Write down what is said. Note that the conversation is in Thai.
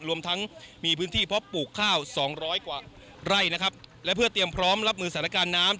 รวมทั้งมีพื้นที่เพราะปลูกข้าวสองร้อยกว่าไร่นะครับและเพื่อเตรียมพร้อมรับมือสถานการณ์น้ำ